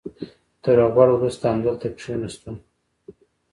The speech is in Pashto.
تر روغبړ وروسته همدلته کېناستو.